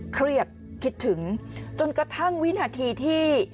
เครียดคิดถึงจนกระทั่งวินาทีที่